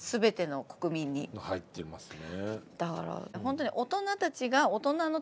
入っていますね。